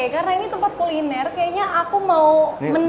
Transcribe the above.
karena ini tempat kuliner kayaknya aku mau menantang